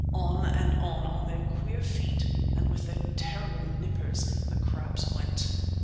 On and on, on their queer feet and with their terrible nippers, the crabs went.